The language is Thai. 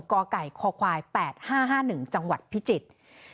กไก่คควาย๘๕๕๑จังหวัดพิจิตร